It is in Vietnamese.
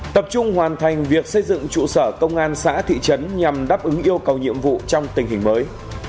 tập trung hoàn thành việc xây dựng trụ sở công an xã thị trấn nhằm đáp ứng yêu cầu nhiệm vụ trong tình hình mới